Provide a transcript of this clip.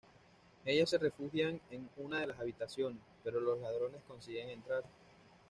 Ellas se refugian en una de las habitaciones, pero los ladrones consiguen entrar.